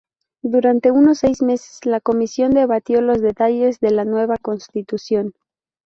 Durante unos seis meses, la Comisión debatió los detalles de la nueva Constitución.